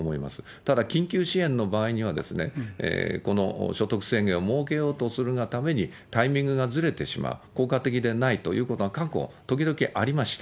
ただ、緊急支援の場合には、この所得制限を設けようとするがために、タイミングがずれてしまう、効果的でないということが過去、時々ありました。